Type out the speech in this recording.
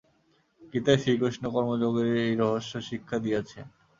গীতায় শ্রীকৃষ্ণ কর্মযোগের এই রহস্য শিক্ষা দিয়াছেন।